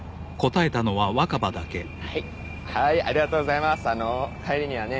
はいはーいありがとうございます帰りにはね